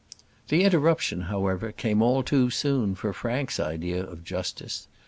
The interruption however came, all too soon for Frank's idea of justice.